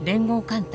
艦隊